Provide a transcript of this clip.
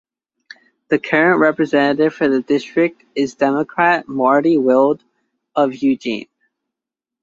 The current representative for the district is Democrat Marty Wilde of Eugene.